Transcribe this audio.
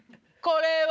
「これは」。